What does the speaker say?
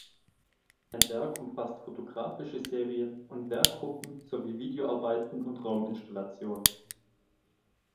Sein Werk umfasst fotografische Serien und Werkgruppen sowie Videoarbeiten und Rauminstallationen.